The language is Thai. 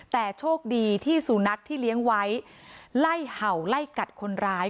แต่โชคดีที่สุนัขที่เลี้ยงไว้ไล่เห่าไล่กัดคนร้าย